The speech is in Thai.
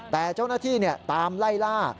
แต่เจ้าหน้าที่ตามไล่ล่า